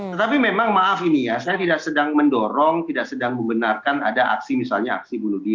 tetapi memang maaf ini ya saya tidak sedang mendorong tidak sedang membenarkan ada aksi misalnya aksi bunuh diri